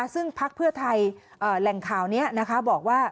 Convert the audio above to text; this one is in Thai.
ซึ่งพักเพื่อไทยแหล่งข่าวนี้บอกว่า